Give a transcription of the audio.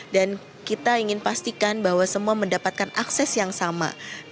dan kita ingin pastikan bahwa semua mendapatkan akses yang sempurna